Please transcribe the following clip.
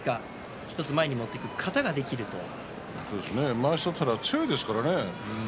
まわしを取ったら強いですからね。